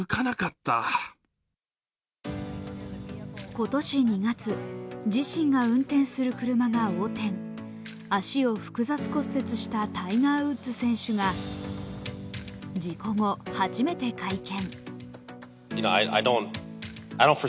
今年２月、自身が運転する車が横転、足を複雑骨折したタイガー・ウッズ選手が事故後、初めて会見。